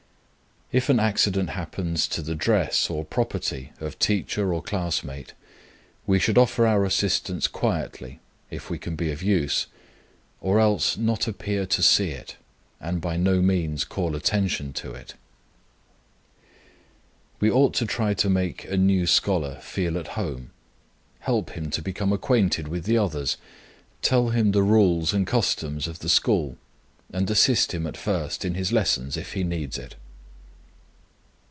If an accident happens to the dress or property of teacher or classmate, we should offer our assistance quietly, if we can be of use, or else not appear to see it, and by no means call attention to it. We ought to try to make a new scholar feel at home, help him to become acquainted with the others, tell him the rules and customs of the school, and assist him at first in his lessons if he needs it.